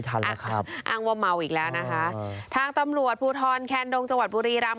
ทันนะครับอ้างว่าเมาอีกแล้วนะคะทางตำรวจภูทรแคนดงจังหวัดบุรีรำ